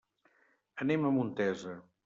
Anem a Montesa.